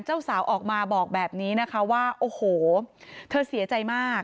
เจ้าสาวออกมาบอกแบบนี้นะคะว่าโอ้โหเธอเสียใจมาก